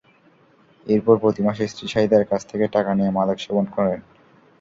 এরপর প্রতি মাসে স্ত্রী শাহিদার কাছ থেকে টাকা নিয়ে মাদক সেবন করেন।